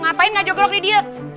ngapain gak jogorok nih dia